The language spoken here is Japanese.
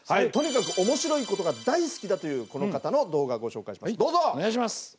とにかく面白いことが大好きだというこの方の動画ご紹介します。